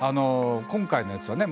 今回のやつはね